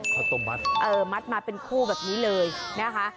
ข้าวต้มมัดเออมัดมาเป็นคู่แบบนี้เลยนะคะ